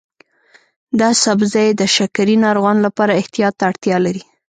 دا سبزی د شکرې ناروغانو لپاره احتیاط ته اړتیا لري.